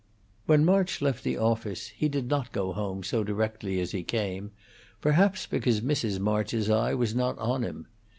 When March left the office he did not go home so directly as he came, perhaps because Mrs. March's eye was not on him.